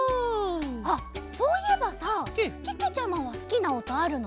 あっそういえばさけけちゃまはすきなおとあるの？